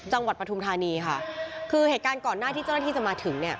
เหตุการณ์ก่อหน้าที่เจ้าหน้าที่จะมาถึง